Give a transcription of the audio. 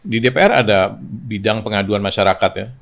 di dpr ada bidang pengaduan masyarakat ya